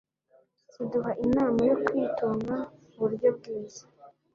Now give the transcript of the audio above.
ziduha inama yo kwitunga mu buryo bwiza